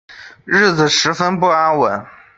日子十分不安稳